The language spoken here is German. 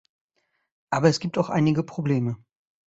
Aber es gibt auch einige Probleme.